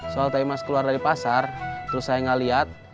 soal tadi mas keluar dari pasar terus saya ngeliat